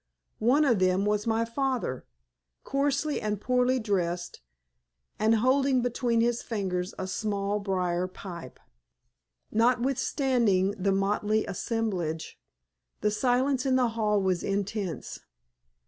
One of them was my father, coarsely and poorly dressed, and holding between his fingers a small briar pipe. Notwithstanding the motley assemblage, the silence in the hall was intense.